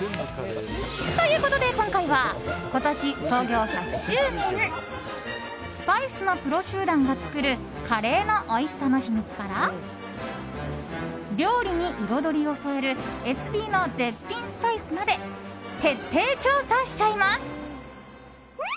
ということで、今回は今年創業１００周年スパイスのプロ集団が作るカレーのおいしさの秘密から料理に彩りを添えるエスビーの絶品スパイスまで徹底調査しちゃいます。